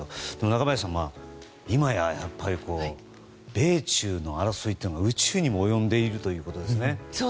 中林さん、今や米中の争いというのが宇宙にも及んでいるということですね。